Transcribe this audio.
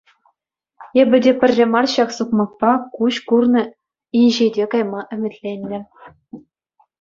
Эпӗ те пӗрре мар ҫак сукмакпа куҫ курнӑ инҫете кайма ӗмӗтленнӗ.